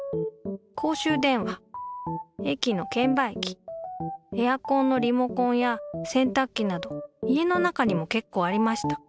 公衆電話駅の券売機エアコンのリモコンや洗たく機など家の中にもけっこうありました。